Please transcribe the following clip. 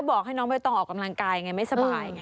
บอกให้น้องใบตองออกกำลังกายไงไม่สบายไง